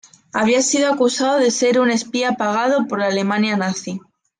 Había sido acusado de ser un espía pagado por la Alemania nazi.